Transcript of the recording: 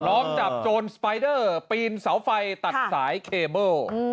ล้อมจับโจรสไปเดอร์ปีนเสาไฟตัดสายเคเบิล